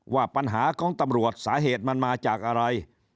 ว่าปัญหาของตำรวจสาเหตุมันมาจากอะไร